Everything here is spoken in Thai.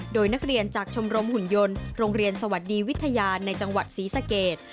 โดยนักเรียนจากชมรมหุ่นยนต์โรงเรียนสวัสดีวิทยาในจังหวัดศรีสเกต